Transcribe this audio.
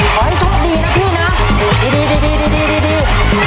ขอให้โชคดีนะพี่นะดีดี